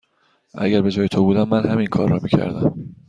اگر به جای تو بودم، من همین کار را می کردم.